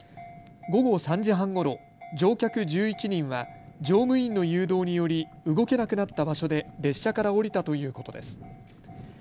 午後３時半ごろ、乗客１１人は乗務員の誘導により動けなくなった場所で列車から降りたということです。